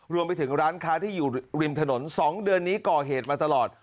รวมไปถึงร้านค้าที่อยู่ริมถนน๒เดือนนี้ก่อเหตุมาตลอด